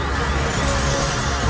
dari mana saja